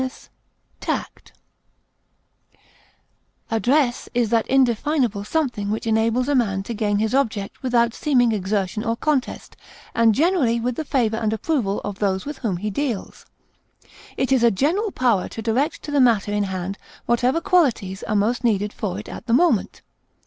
dexterity, Address is that indefinable something which enables a man to gain his object without seeming exertion or contest, and generally with the favor and approval of those with whom he deals. It is a general power to direct to the matter in hand whatever qualities are most needed for it at the moment.